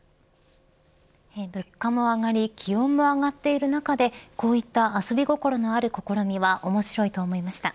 物価も上がり気温も上がっている中でこういった遊び心のある試みは面白いと思いました。